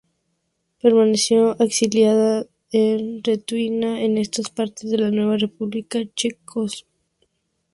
Permaneció exiliada en Rutenia, entonces parte de la nueva república checoslovaca, gestionando dos escuelas.